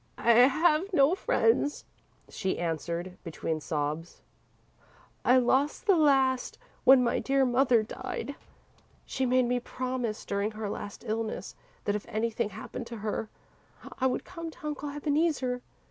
"I have no friends," she answered, between sobs. "I lost the last when my dear mother died. She made me promise, during her last illness, that if anything happened to her, I would come to Uncle Ebeneezer.